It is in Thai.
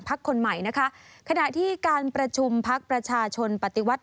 คนใหม่นะคะขณะที่การประชุมพักประชาชนปฏิวัติ